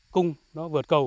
cung nó vượt cầu